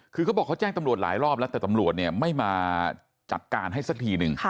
คือเขาบอกเขาแจ้งตำรวจหลายรอบแล้วแต่ตำรวจเนี่ยไม่มาจัดการให้สักทีนึง